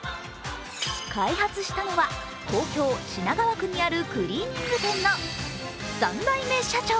開発したのは東京・品川区にあるクリーニング店の３代目社長。